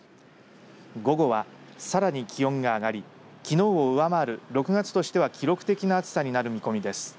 午後は、さらに気温が上がりきのうを上回る６月としては記録的な暑さになる見込みです。